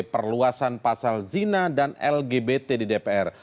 perluasan pasal zina dan lgbt di dpr